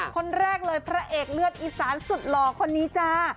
คนแรกเลยพระเอกเลือดอีสานสุดหล่อคนนี้จ้า